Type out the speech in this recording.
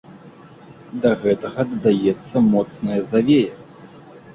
Да гэтага дадаецца моцная завея.